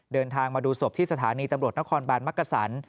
เดินทางมาดูศพที่สถานีตำรวจนครบานมักกษัน